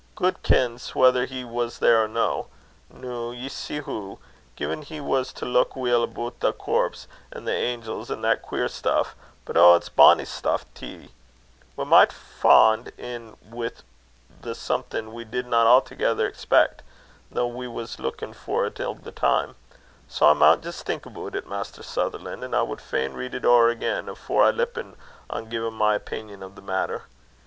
Gude kens whether he was there or no. Noo, ye see hoo, gin we was to leuk weel aboot thae corps, an' thae angels, an' a' that queer stuff but oh! it's bonny stuff tee! we micht fa' in wi' something we didna awthegither expec, though we was leukin' for't a' the time. Sae I maun jist think aboot it, Mr. Sutherlan'; an' I wad fain read it ower again, afore I lippen on giein' my opingan on the maitter.